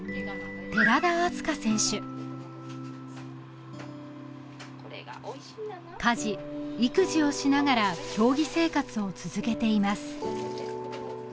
寺田明日香選手家事育児をしながら競技生活を続けています